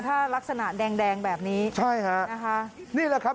ถ้ารักษณะแดงแดงแบบนี้ใช่ฮะนะคะนี่แหละครับ